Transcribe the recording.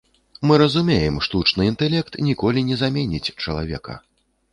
Мы разумеем, штучны інтэлект ніколі не заменіць чалавека.